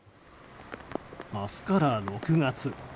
明日から６月。